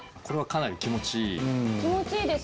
これはかなり気持ちいい。